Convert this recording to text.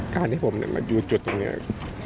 การที่ผมประจำมาจุดตรงนี้